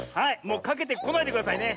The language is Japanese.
もうかけてこないでくださいね。